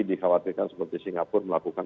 dikhawatirkan seperti singapura melakukan